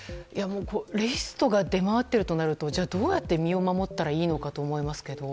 リストが出回っているとなるとどうやって身を守ったらいいのかと思いますが。